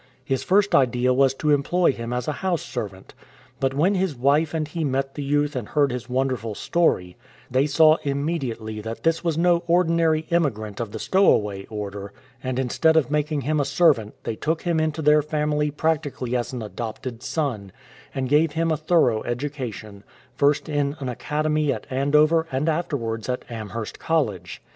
His first idea was to employ him as a house servant ; but when his wife and he met the youth and heard his wonderful story, they saw immediately that this was no ordinary immigrant of the stowaway order ; and instead of making him a servant they took him into their family practically as an adopted son, and gave him a thorough education, first in an academy at Andover and afterwards at Amherst College.